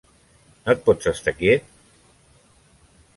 No et pots estar quiet?